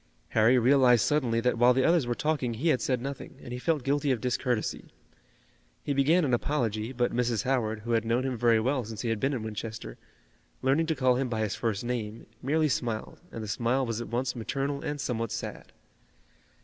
Harry realized suddenly that while the others were talking he had said nothing, and he felt guilty of discourtesy. He began an apology, but Mrs. Howard, who had known him very well since he had been in Winchester, learning to call him by his first name, merely smiled and the smile was at once maternal and somewhat sad.